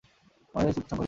অবশেষে চুক্তি সম্পাদিত হলো।